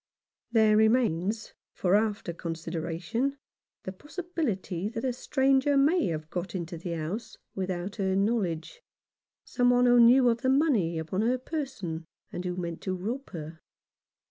There remains for after consideration the possi bility that a stranger may have got into the house without her knowledge, some one who knew of the money upon her person, and who meant to rob her.